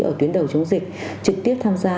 ở tuyến đầu chống dịch trực tiếp tham gia